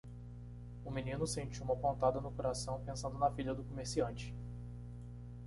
O menino sentiu uma pontada no coração pensando na filha do comerciante.